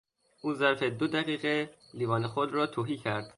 او ظرف دو دقیقه لیوان خود را تهی کرد.